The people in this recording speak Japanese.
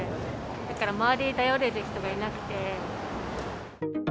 だから、周りに頼れる人がいなくて。